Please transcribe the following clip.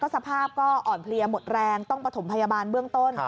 สภาพก็อ่อนเพลียหมดแรงต้องประถมพยาบาลเบื้องต้น